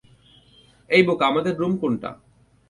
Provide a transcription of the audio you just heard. এই বোকা, আমাদের রুম কোনটা?